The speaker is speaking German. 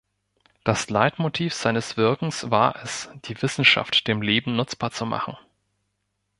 Das Leitmotiv seines Wirkens war es, die Wissenschaft dem Leben nutzbar zu machen.